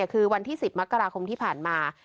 คือวันที่๑๐มกราคมที่ผ่านมา